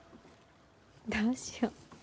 どうしよう。